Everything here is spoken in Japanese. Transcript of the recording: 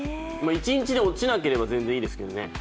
一日で落ちなければ全然いいですけどね。